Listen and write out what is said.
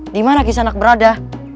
di mana kisah anak berada